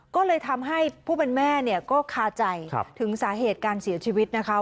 ก็เลยทำให้ผู้เป็นแม่เนี่ยก็คาใจถึงสาเหตุการเสียชีวิตนะคะ